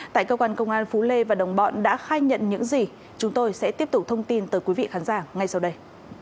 tại cơ quan công an phú lê và đồng bọn đã khai nhận những gì chúng tôi sẽ tiếp tục thông tin tới quý vị khán giả ngay sau đây